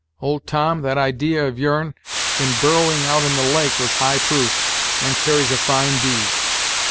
Old Tom, that idee of your'n, in burrowing out in the lake, was high proof, and carries a fine bead.